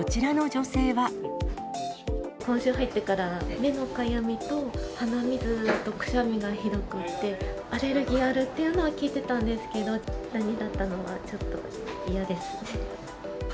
今週入ってから、目のかゆみと、鼻水とくしゃみがひどくって、アレルギーあるっていうのは聞いてたんですけど、ダニだったのはちょっと嫌ですね。